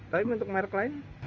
tapi untuk merek lain